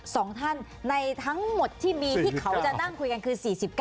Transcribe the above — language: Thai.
สองท่านในทั้งหมดที่มีที่เขาจะนั่งคุยกันคือ๔๙